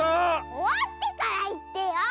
おわってからいってよ！